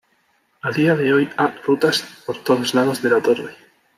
A día de hoy ha rutas por todos lados de la torre.